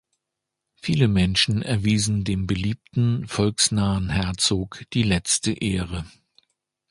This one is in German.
Viele Menschen erwiesen dem beliebten, volksnahen Herzog die letzte Ehre.